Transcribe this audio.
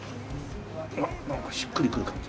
あっなんかしっくりくる感じ。